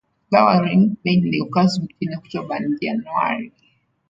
Flowering mainly occurs between October and January.